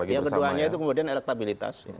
yang keduanya itu kemudian elektabilitas